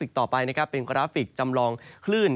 ก็จะมีการแผ่ลงมาแตะบ้างนะครับ